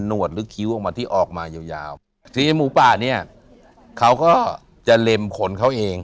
วดหรือคิ้วออกมาที่ออกมายาวยาวสีหมูป่าเนี่ยเขาก็จะเล็มขนเขาเอง